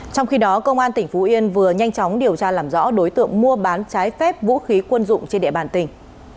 trong khi đó công an tỉnh phú yên vừa nhanh chóng điều tra làm rõ đối tượng mua bán trái phép vũ khí quân dụng trên địa bàn tỉnh